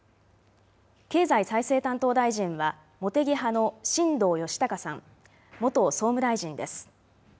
経済再生担当大臣は茂木派の新藤義孝さん、元総務大臣です。